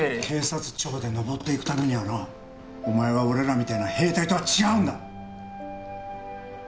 警察庁で上っていくためにはなお前は俺らみたいな兵隊とは違うんだ！